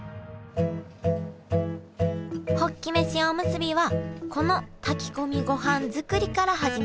ホッキ飯おむすびはこの炊き込みごはん作りから始めます。